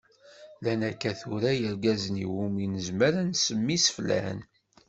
Llan akka tura yirgazen iwumi nezmer ad nsemmi iseflan.